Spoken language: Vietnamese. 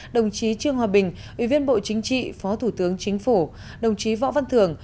đồng chí trương hòa bình ủy viên bộ chính trị phó thủ tướng chính phủ đồng chí võ văn thường